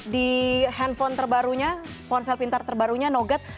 di handphone terbarunya ponsel pintar terbarunya nogat